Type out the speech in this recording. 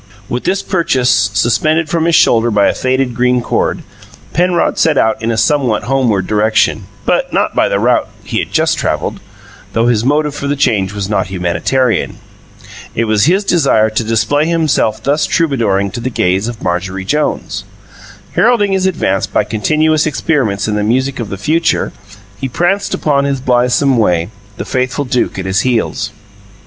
With this purchase suspended from his shoulder by a faded green cord, Penrod set out in a somewhat homeward direction, but not by the route he had just travelled, though his motive for the change was not humanitarian. It was his desire to display himself thus troubadouring to the gaze of Marjorie Jones. Heralding his advance by continuous experiments in the music of the future, he pranced upon his blithesome way, the faithful Duke at his heels.